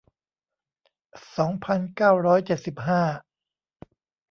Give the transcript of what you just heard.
สองพันเก้าร้อยเจ็ดสิบห้า